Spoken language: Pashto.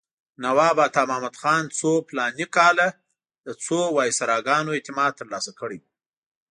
نواب عطامحمد خان څو فلاني کاله د څو وایسراګانو اعتماد ترلاسه کړی و.